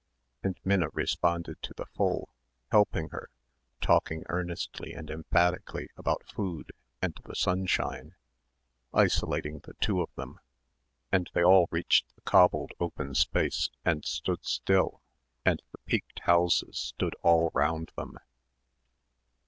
and Minna responded to the full, helping her, talking earnestly and emphatically about food and the sunshine, isolating the two of them; and they all reached the cobbled open space and stood still and the peaked houses stood all round them.